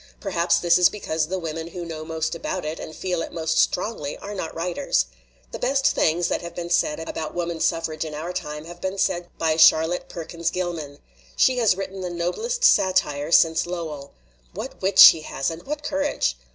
Perhaps this is because the women who know most about it and feel it most strongly are not writers. The best things that have been said about woman suffrage in our time have been said by Charlotte Perkins Gilman. She has written the noblest satire since Lowell. What wit she has, and what courage!